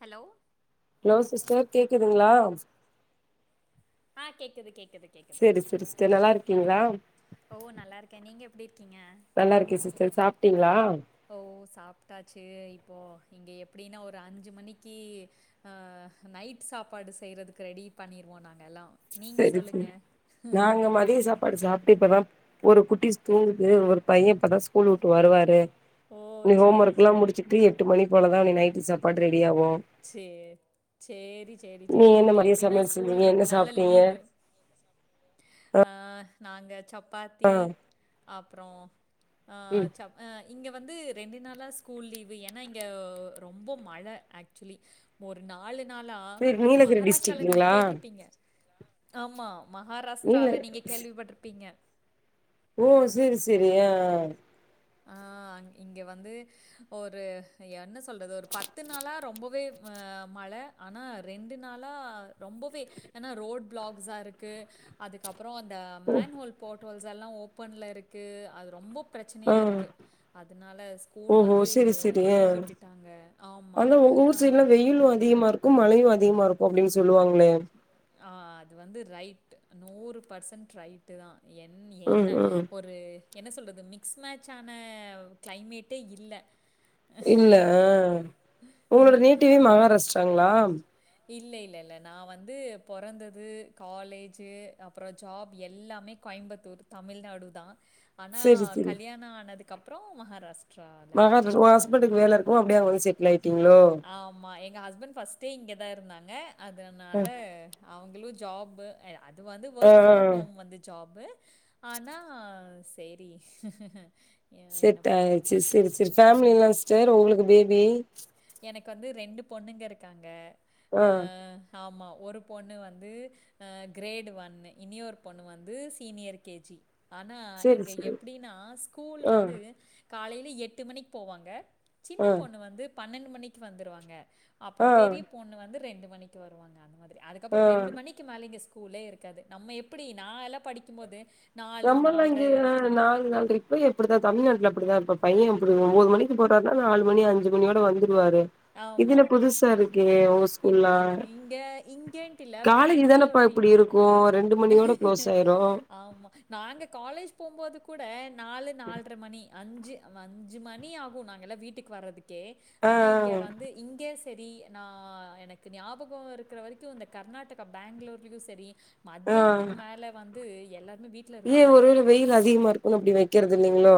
Hello hello sister கேக்குதுங்களா ஆ கேக்குது கேக்குது கேக்குது சேரி செரி சிஸ்டர் நல்லா இருக்கீங்களா ஓ நல்லா இருக்கே நீங்க எப்டி இருக்கிங்க நல்லா இருக்கே சிஸ்டர் சாப்ட்டீங்களா ஓ சாப்ட்டாசு இப்போ இங்க எப்டினா ஒரு அஞ்சு மணிக்கி அ ஹு நைட் சாப்பாடு செய்றதுக்கு ரெடி பண்ணிர்வோ நாங் எல்லா நீங்க சரி சே சொல்லுங்க நாங்க மதிய சாப் பாடு சாப்ட்டு இப்பதாம் ஒரு குட்டிஸ் தூங்குது ஒரு பைய இப்பதா ஸ்கூல் வுட்டு வருவாரு ஓ இநு சேரி ஹோமர்க்குலா சேரி முடிச்சிட்டு எட்டு மணி போலதா இநீ நைட்டு சாப்பாடு ரெடி ஆவோ சேர் சேரி சேரி நீங்க சேரி என்ன இங்க மதிய எப்டின்னா சமையல் ஸ்கூல் செஞ்சீங்க ரெண்ட் என்ன நாளா சாப்ட்டீங்க லீவு அ நாங்க சப்பாத்தி ஆ அப்றோ அ ம் ச்சப் ஆ இங்க வந்து ரெண்டு நாளா ஸ்கூல் லீவு ஏன்னா இங்யவ் ரொம்ப மழ ஆக்சுலி ஒரு நாலு நாளா செரி நீலகிரி மகாராஸ்டால நீங்கு டிஸ்ட்ரிக்குங்களா கேட்ருப்பீங்க ஆமா நீல மகாராஸ்ட்ரால நீங்க கேள்விப்பட்ருப்பீங்க ஓ செரி செரி ஆ ஆ அங் இங்க வந்து ஒரு என்ன சொல்றது ஒரு பத்து நாளா ரொம்பவே அ மழ ஆனா ரெண்டு நாளா ரொம்பவே எனா ரோட் ப்ளாக்ஜா ருக்கு அதுக்கப்றோ அந்த ஓ மேன்வோல் போட்வல்ஸ்ஸல்லா ஓப்பன்ல இருக்கு அது ரொம்ப ஆ ப்ரச்சனையாரு அதுனால ஸ்கூல் ஓஹோ வந்து செரி செரி ஆ லீவ் விட்டுட்டாங்க ஆமா அ அஹ் யீலூ அதிகமா இருக்கும் மழையு அதிகமா ருக்கு அப்டின் சொல்லுவாங்ளே ஆ அது வந்து ரைட்டு நூறு பர்சன் ட்ரைட்டு தா என் ம் என்ன ம் ஒரு என்ன சொல்றது மிக்ஸ் மேச் ஆன க்ளைமேட்டே இல்ல இல்ல அ உங்களோட நேடிவே மகாராஸ்ட்ராங்ளா இல்ல இல்லல்ல நா வந்து பொறந்தது காலேஜு அப்றோ ஜாப் எல்லாமே கோய்ம்பத்தூர் தமிழ்நாடு தா ஆனா செரி செரி கல்யாண ஆனதுகப்றோ மஹாராஸ் பகத் உ ஹஸ்பன்டுக் வேல இருக்கு அப்டே அங்க வய் செட்டில் ஆய்ட்டீங்ளோ ஆமா எங்க ஹஸ்பண்ட் ஃபஸ்ட்டே இங்க தா இருந்தாங்க அதனால ம் அவுங்களு ஜாப்பு எய அது வந்து ஆ ஆ வக் ஃப்ரம் ஹோம் வந்து ஜாப்பு ஆனா சேரி செட் ஆயிர்ச்சி செரி செரி ஃபேமிலி எல்லா ஸ்டர் உங்ளுக்கு பேபி எனக்கு வந்து ரெண்டு பொண்ணுங்க இருக்காங்க ஆ அ ஆமா ஒரு பொண்ணு வந்து அ க்ரேடு வன்னு இனியோர் பொண்ணு வந்து சீனியர் கேஜி ஆனா செரி இங்க செரி எப்டின்னா ஸ்கூல் ஆ வந்து காலய்ல எட்டு மணிக் போவாங்க சின்ன ஆ பொண்ணு வந்து பன்னண்டு மணிக்கு வந்துருவாங்க அப்றோ ஆ பெரியப் பொண்ணு வந்து ரெண்டு மணிக்கு வருவாங்க அந்த மாதிரி அதுக்கப்புற் ஆ ரெண்டு மணிக் க்கி மேல இங்க ஸ்கூல்லே இருக்காது நம்ம எப்படி நா எல்லா படிக்கும் போதே ரொம்ப நங்கிர்ணா நாங் நன்றி பெய் அப்படித்தா தமிழ்நாட்ல அப்படிதா இப்ப பையன் இப்புடூ ஒம்போது மணிக்கு போறார் நா நாலுமணி அஞ்சு மணியோட வந்துர்வாரு ஆமா. இதென புதுசா இருக்கே உங்க இங் ஸ்கூல்லா இங்க இங்கேன்ட்டு இல்ல, காலக்கி தானப்பா இப்படி பெங்களூர்லயும் இருக் கோ ரெண்டு மணியோட க்ளோஸ் ஆய்ரு ஆம்மா நாங்க காலேஜ் போம்போது கூட நாலு நால்ர மணி அஞ்சு வ அஞ்சி மணி ஆகு நாங்களா வீட்டுக் வரதுக்கே ஆ ஆனா இங்க ஆ வந்து இங்கே செரி நா எனக்கு ஞாபகோ இருக்ற வரைக்கு இந்த கர்நாடக்கா பேங்ளூர்லியு செரி ஆ மத்யான்த்துக் மேல வந்து எல்லார்மே வீட் ஏ ஒருவேள வெயில் அதிகமா இருக்கு அப்டி வெக்கற்து இல்லிங்ளோ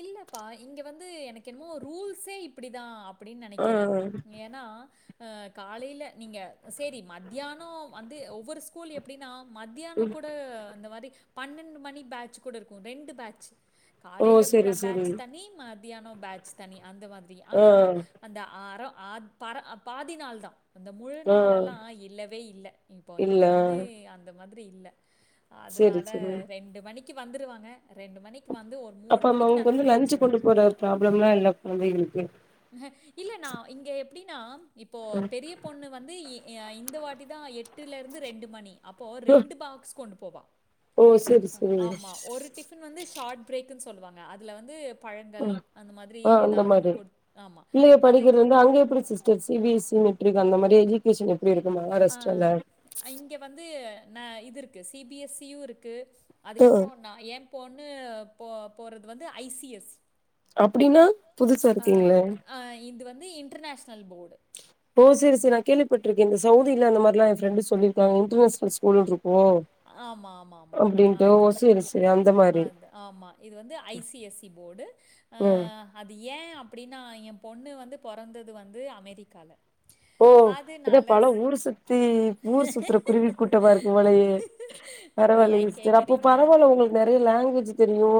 இல்லப்பா இங்க வந்து எனக் என்மோ ரூல்ஸே இப்படி தா அப்படின் ஆ நனைக்கிறே யன் நா காலையில நீங்க சேரி மத்தியானோ வந்து ஒவ்வொரு ஸ்கூல் எப்டின்னா ஆ மத்தியானோ கூட இந்த மாரி பன்னெண்டு மணி பேட்ச் கூட இருக்கு ரெண்டு பேட்ச்சு ஓ காலையில செரி செரி பேட்சு தனி மத்யானோ பேட்ச் தனி அந்த மாதிரி ஆ ஆனா அந்த அறம் பர பாதி நாள் தா அந்த ஆ முழுநல்லா இல்லவே இல்ல இப்போ இல்ல இங்க வந்து அந்த மாதிரி இல்ல செரி அதனால செரி ரெண்டு மணிக்கு வந்துருவாங்க ரெண்டு மணிக்கு வந்து ஒரு அப்ப அம் மணிக்கு அவங்களுக்கு நான் வந்து தூங்க லன்ச்சு வச்சுருவேன். கொண்டு போற ப்ராப்ளம் எல்லா இல்ல கொழந்தைங்கக்கு அ இல்ல நா இங்க எப்டின்னா இப்போ பெரிய பொண்ணு வந்து இ இந்த வாட்டி தா எட்டுல இருந்து ரெண்டு மணி அப்போ ரெண்டு பாக்ஸ் கொண்டு போவா ஓ செரி அ செரி ஆமா ஒரு டிஃபின் வந்து ஷார்ட் பிர்க்குன்னு சொல்லுவாங்க அதில வந்து ஆ பழங்கள் அந்த மாதிரி ஆ அந்த ஏதாவது ஒன்னு மாரி கொடு பிள்ளைக படிக்கிறது வந்து அங்க எப்டி sister C B S C matric அந்த மாதிரி எஜுகேஷன் எப்டி இருக்குமா ஆ இங்க வந்து ந இது இருக்கு சி பி எஸ் சி யு இருக்கு ஆ அதுக்கப்பறோ நா ஏ பொன்னு போ போறது வந்து ஐ சி எஸ் அப்டின்னா புதுசா இருக்குங்களே இது வந்து இன்டர்நேஷ்னல் போர்டு ஓ செரி செரி நா கேள்விப்பட்டிருக்கே இந்த சவ்தில அந்த மாதிரிலா எ ஃப்ரெண்டு சொல்லிருக்காங்க இன்டர்நேஷனல் ஸ்கூல்ன்னு இருக்கு ஆமா ஆமா ஆமா அப்டின்ட்டு ஓ அது சேரி சேரி அந்த மாரி அது ஆமா இது வந்து I C S C board ம் அது ஏ அப்டின்னா எ பொண்ணு வந்து பொறந்தது வந்து அமெரிக்கால ஓ இத பல ஊரு இது ஊர் சுத்துர குருவி கூட்டமா இருக்கு போலயே ஐயோ பரவாயில்ல ஏன் சிஸ்டர் அப்போ கேட்குறீங்க பரவாயில்ல உங்களுக்கு நெறைய லாங்குவேஜ் தெரியு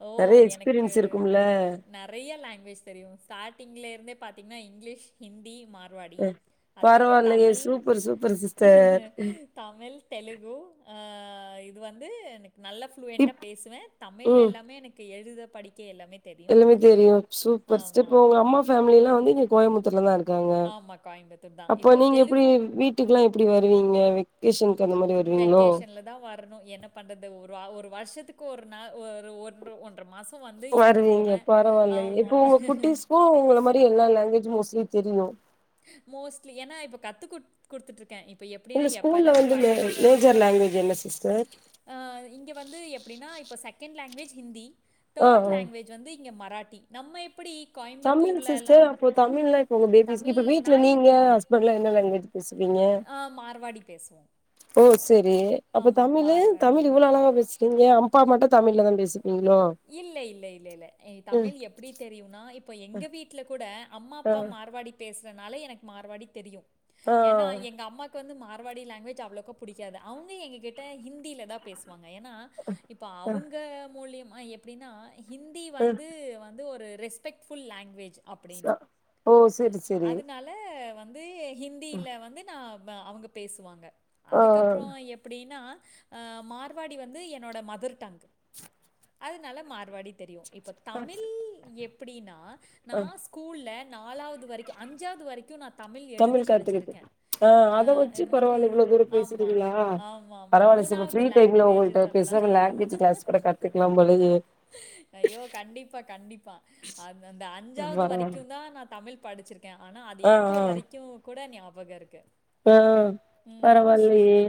ஓ! நெறைய எனக்கு எக்ஸ்பீரியன்ஸ் இருக்கும்ல நெறைய லாங்குவேஜ் தெரியு ஸ்டார்டிங்ல இருந்தே பாத்தீங்கன்னா இங்கிலீஷ் ஹிந்தி மார்வாடி அ அதுக்கப்பறோ பரவாயில்லையே Tamil super super sister Tamil Telugu அ இது வந்து எனக்கு நல்ல ப்ளூவெண்டா இப் பேசுவே தமிழ்ல ம் எல்லாமே எனக்கு எழுத படிக்க எல்லாமே தெரியும். எல்லாமே தெரியு சூப்பர்ஸ ஆமா. இப்ப உங்க அம்மா ஃபேமில எல்லா வந்து இங்க கோயம்பத்தூர்ல தா இருக்கு க்க ஆமா, கோயம்புத்தூர் தான். அப்ப இப்போ நீங்க எப்டி தெலுங்கு வீட்டுக்கெல்லா எப்டி வருவீங்க வெக்கேஷன்க்கு அந்த மாதிரி வருவீங்களோ தா வரணு என்ன பண்றது ஒரு வா வருஷத்துக்கு ஒரு நாள் ஒரு ஒன்ற ஒன்ற மாச வந்து இருந்துட்டு வருவீங்க போவே பரவாயில்லையே ஆமா உங்க இப்போ குட்டீஸ்க்கு உங்கள மாரி எல்லா லாங்குவேஜ் உ மோஸ்ட்லி தெரியு மோஸ்ட்லி ஏன்னா இப்ப கத்து குடுத் குடுத்துட்டு இருக்கே இப் இப்ப எப்டின்னா உங்க எப்ப ஸ்கூல்ல எல்லா நா வந்து மே கோயம்புத்தூர் வரணோ மேஜர் லாங்குவேஜ் என்ன சிஸ்டர் அ இங்கே வந்து எப்டினா இப்ப செகண்ட் லாங்குவேஜ் ஹிந்தி ஆ தேர்ட் ஆ லாங்குவேஜ் வந்து இங்க மராட்டி நம்ம எப்டி தமிழ் கோயம்புத்தூர்ல எல்லா சிஸ்டர் அப்போ தமிழ்லா இருப்போ பேபிஸ் இப்போ வீட்ல நீங்க இருக்கேனே ஹஸ்பண்ட்லா என்ன லாங்குவேஜ் பேசுவீங்க ஆ மார்வாடி பேசுவோ ஓ செரி அப்ப தமிழு மார்வாடி தமிழ் இவ்ளோ அழகா பேசறீங்க அப்பா மட்டு தமிழ்ல தா பேசிப்பீங்களோ இல்ல இல்ல இல்ல இல்ல ம் தமிழ் எப்டி தெரியும்னா இப்ப எங்க வீட்ல கூட அம்மா ஆ அப்பா மாரவாடி பேசுறதுனால எனக்கு மார்வாடி தெரியு ஆ ஏன்னா எங்க அம்மாக்கு வந்து மார்வாடி லாங்குவேஜ் அவ்வளவுக்க புடிக் க்காது அவங்க எங்க கிட்ட ஹிந்தில தா பேசுவாங்க ஏன்னா இப்ப ஆ அவங்க மூலியமா எப் அப்டின்னா ஹிந்தி ஆ வந்து வந்து ஒரு ரெஸ்பெக்ட் ஃபுல் லாங்க்வேஜ் ச அப்டின்னு ஓ செரி செரி அதனால து வந்து ஹிந்தியில வந்து நான் அவங்க பேசுவாங்க ஆ அதுக்கப் ஆ எப்டின்னா மார்வாடி வந்து என்னோட மதர் டங் அதுனால மறுவாடி தெரியு இப்ப தமிழ் எப்டின்னா நா ஆ ஸ்கூல்ல நாலாவது வரைக்கு அஞ்சாவது வரைக்கு நா தமிழ் எழுதி படிச்சிருக்கே ஆ அத வச்சு இந்த மாதிரி பரவால்ல இவ்ளோ தூரோ ஆமா பேசுறீங்களா ஆமா பரவால்ல சிஸ் இப்ப மூணாவது ஃப்ரீ டைம்ல உங்கள்ட்ட லாங்குவேஜுன்னு சொல்லலா பேசாம லாங்குவேஜ் கிளாஸ் கூட கத்துக்கலாம் போலயே ஐயோ கண்டிப்பா கண்டிப்பா அ அந்த அஞ்சாவது பரவால்ல வரைக்கு தா நா தமிழ் படிச்சிருக் க்கே ஆனா அது ஆ இப்போ ஆ வரைக்கு கூட ஞாபக இருக்கு ஆ ஆ ம் பரவால்லயே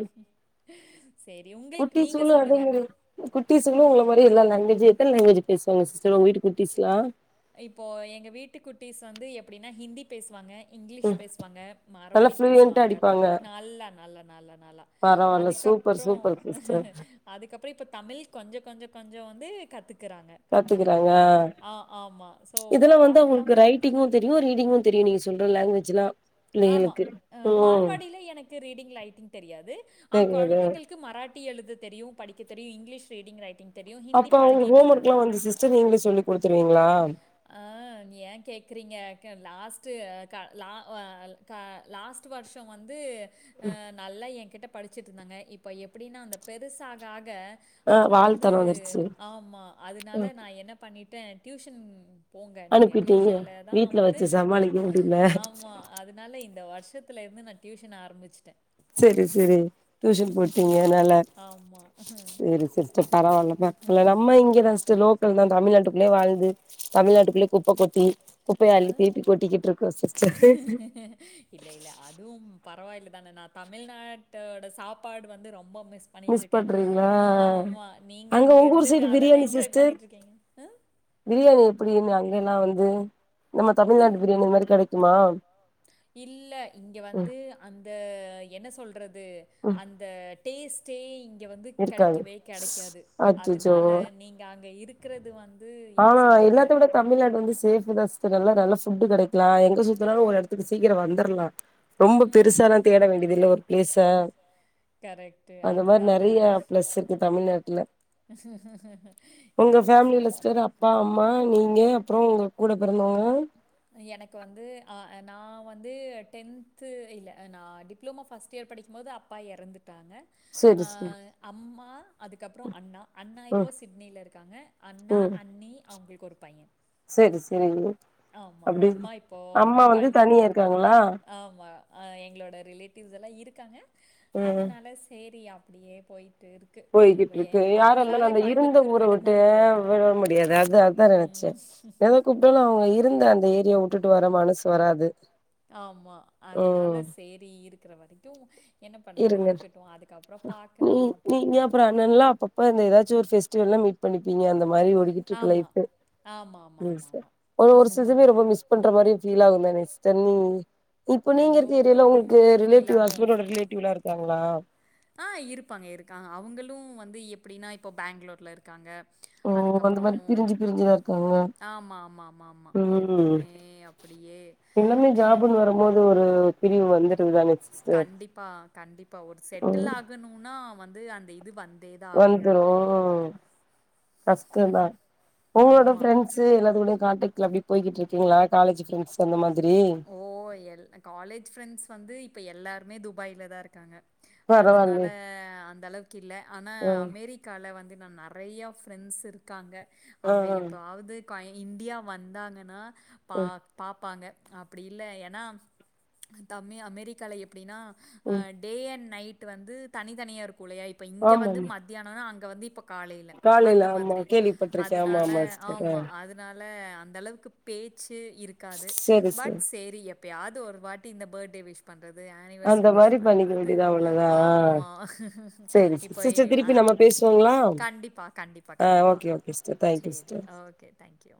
சரி, உங்களுக்கு குட்டி நீங்க சூலோ சொல்லுங்க. எதுங்கு கிடையாது குட்டி சூலோ உங்களமார் வே எல்லா லாங்குவேஜ்ஜு எத்தன லங்குவேஜ்ஜு பேசு வாங்க சிஸ்டர் உங்க வீட்டு குட்டிஸ்லா இப்போ எங்க வீட்டு குட்டிஸ் வந்து எப்டின்னா ஹிந்தி பேசுவாங்க இங்கிலீஷ் ம் பேசுவாங்க நல்லா மறவாடி ஃப்ளூயன்ட்டா பேசுவாங்க அடிப்பாங்க நல்லா நல்லா நல்லா நல்லா பரவால்ல சூப்பர் அதுக்கப்பறோ சூப்பர் சிஸ்டர் அதுக்கப்பறோ இப்போ தமிழ் கொஞ்சோ கொஞ்சோ கொஞ்சோ வந்து கத்துக்குறாங்க கத்துக்குறாங்களா ஆ ஸோ இதெல்லா வந்து பார்க்கலாம். அவங்களுக்கு ர ரைட்டிங்கு தெரியு ரீடிங்கு தெரியு நீங்க சொல்ற லாங்குவேஜ்யெல்லா ஆமா அ மார்வாடியில எனக்கு ரீடிங் ரைட்டிங் தெரியாது ஆ சரி அது கொழந்தைங்களு க்கு மராட்டி எழுத தெரியு படிக்க தெரியு இங்கிலீஷ் ரீடிங் ரைட்டிங் தெரியு ஹிந்தி பழகிட்டு இருக்காங்க டியூசன் நீங்களே சொல்லி குடுத்துருவீங்களா ஆ ஏன் கேக்குறீங்க அக்கா லாஸ்ட்டு கா லா வா க்கா லாஸ்ட் வருஷோ வந்து ஆ நல்லா என்கிட்ட படிச்சிட்டு இருந்தாங்க இப்ப எப்டின்னா அவங்க பெருசு ஆக ஆக ஆ அவங்க வந்து வாழ்த்தலா வந்துருச்சு ஆமா அதனால ம் நா என்ன பண்ணிட்டே டியூஷன் போங்க நீங்க அனுப்பிட்டீங்க டியூஷனல தா வீட்ல வந்து வச்சு கரெக்ட்டா சமாளிக்க முடில ஆமா அதனால இந்த வருஷத்துலருந்து நா டியூஷன் ஆரம்பிச்சிட்டே செரி செரி டியூஷன் போட்டீங்க அதனால ஆமாம் சேரி சிஸ்டர் பரவாயில்ல பட் இல்ல நம்ம இங்கதா சிஸ்டர் லோக்கல் தா தமிழ்நாட்டுக்குள்ளயே வாழ்து தமிழ்நாட்டுக்குள்ளயே குப்ப கொட்டி குப்பயா அள்ளி திருப்பி கொட்டிக்கிட்டு இருக்கோ சிஸ்டர் இல்ல இல்ல அதுவும் பரவாயில்ல தானே நா தமிழ்நாட்டோட சாப்பாடு வந்து ரொம்ப மிஸ் பண்ணிட்டு இருக்கேன் ம் ஆமா நீங்க அங்க உங்க ஊர் இருந்துட்டு சைடு அதெல்லா பிரியாணி என்ஜாய் சிஸ்டர் பண்ணிட்டு இருக்கீங்க ம் பிரியாணி எப்டினு அங்க எல்லா வந்து நம்ம புரிய தமிழ்நாட்டு பிரியாணி மாறி கெடைக்குமா இல்ல இங்க ம் வந்து அந்த என்ன சொல்றது ம் அந்த டேஸ்ட்டே இங்க வந்து இருக்காது கெடைக்கவே கெடைக்காது அச்சச்சோ அதனால நீங்க அங்க இருக் கிறது வந்து என்ன அவ்ளோ சொல்றது எல்லாத்த விட தமிழ்நாடு வந்து சேஃபு த சிஸ்டர் எல்லா நல்லா ஃபுட்டு கெடைக்கலா எங்க சுத்தனாலும் ஒரு இடத்துக்கு சீக்கிர வந்தரலா ரொம்ப பெருசாலா ம் தேட வேண்டியது இல்ல ஒரு பிளேஸ கரெக்ட் அந்த மாறி அதுதானே நெறையா பிளஸ் இருக்கு தமிழ்நாட்டுல இல்ல உங்க இல்ல ஃபேமிலில கரெக்ட் கரெ சிஸ்டர் அப்பா அம்மா நீங்க அப்றோ உங்க கூட பிறந்தவங்க எனக்கு வந்து ஆ ஏ நா வந்து டென்த்து இல்ல நா டிப் டிப்ளோமோ ஃபஸ்ட் இயர் படிக்கும்போது அப்பா இறந்துட்டாங்க செரி அ செரி அம்மா அதுக்கப்றோ அண்ணா அண்ணா ம் இப்போ சிட்னில இருக்காங்க அண்ணா ம் அண்ணி அவங்ளுக்கு ஒரு பையே செரி செரிங்க ஆமா அப்டி அம்மா இப்போ அம்மா வந்து தனியா கோயம்புத்தூர்ல இருக்காங்க இருக்காங்களா ஆமா ஆ எங்களோட ரிலேட்டிவ்ஸ்லா இருக்காங்க ம் அதனால சேரி அ ப்டியே போய்ட்ரு க்கு இப்போ போய்கிட்ருக்கு என் யாரா இருந்தாலு அவுங்களால அந்த இருந்த கோயம்புத்தூர் ஊர விட்டு விடமுடியறதில்ல விட முடியாது ம் மொதல்ல அவுங்க இருந்த அந்த ஏரியா வுட்டுட்டு வர மனசு வராது ஆமா அதுனால ம் சேரி இருக்ற வரைக்கு என்ன பண்றது இருங்க இருக்கட்டு அதுக்கப்றோ பாக்லா அப்டின்னு நீங்ல்லா அப்பப்ப இந்த எதாச்சு ஒரு ஃபெஸ்டிவல்ல மீட் பண்ணிப்பீங்க அந்த மாரி ஓடிகிட்ருக்கு லைஃப்ஃபு ஆமாம் ஒவ்வொரு சீசன்லயு ரொம்ப மிஸ் பண்ற மாரி ஃபீல் ஆகுந்தானே சிஸ்டர் நீ இப்ப நீங்க ஐயோ! இருக்க ஏரியால உங்களுக்கு ரொம்பவே ஃபீல் ரிலேட்டிவ் ஆகும். ஹஸ்பண்டோட ரிலேட்டிவ்லா இருக்காங்ளா ஆ இருப்பாங்க இருக்காங்க அவுங்களு வந்து எப்டின்னா இப்போ பெங்களூர்ல இருக்காங்க ஓ அந்த அதுக்கப்றோ மாரி பிரிஞ்சு பிரிஞ்சுதா இருக்காங்க ஆமாமாமாமா ம் எல்லாமே அப்டியே எல்லாமே ஜாபுன் வரம்போது ஒரு பிரிவு வந்துருதுதானே கண்டிப்பா கண்டிப்பா ஒரு செட்டில் ம் ஆகனுனா வந்து அந்த இது வந் வந்துரு ம் கஷ்டந்தா உங்ளோட ஆமா. ஃப்ரெண்ட்ஸ் ஸு எல்லாத்து கூடயு கான்டெக்ட்ல அப்டி போய்கிட்ருக்கீங்களா காலேஜு ஃப்ரெண்ட்ஸு அந்த மாதிரி ஓ எல் காலேஜ் ஃப்ரெண்ட்ஸ் வந்து இப்ப எல்லாருமே துபாய்ல தா இருக்காங்க அதுனால பரவால்லே அந்தளவுக்கு இல்ல ஆனா ம் அமெரி கால வந்து நா நறையா ஃப்ரெண்ட்ஸ் இருக்காங்க ஆ அவுங்க ஆ எப்பவாவ்து [unintelligible] இந்தியா வந்தாங்கன்னா பா ம் பாப்பாங்க அப்டி இல்ல ஏனா அந்த மே அமெரிக்கால எப்டின்னா ஆ ம் டே அன்ட் நை டு வந்து தனித்தனியா இருக்குல்லயா இப்ப இங்க ஆமாமா வந்து மதியானோனா அங்க வந்து இப்ப காலைல அந்த ஆமா மாதிரி கேள்விப்பட்டிருக்கே ஆமா அதுனால ஆமா சிஸ்டர் ஆ ஆமா அது னால அந்தளவுக்கு பேச்சு இருக்காது செரி பட் செரி சேரி எ ப்யாது ஒரு வாட்டி இந்த பேர்ட்டே விஷ் பண்றது அந்த ஆனிவர்சரி விஷ் மாரி பண்ணிக்க பண்றது வேண்டியதா அவ்ளோதா ஆ ஆமா செரி இப்போ எ சிஸ்டர் ஆ திருப்பி நம்ம பேசுவோங்களா கண்டிப்பா கண்டிப்பா ஆ கண்டிப்பா ஓகே ஓகே சிஸ்டர் தேங்க்யூ சேரி சிஸ்டர் ஓகே தேங்க்யூ